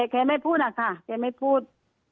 แกไม่พูดอะค่ะแกไม่พูด